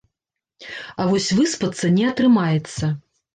А вось выспацца не атрымаецца.